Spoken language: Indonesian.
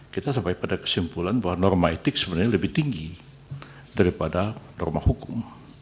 kita sampai pada kesimpulan bahwa norma etik sebenarnya lebih tinggi daripada norma hukum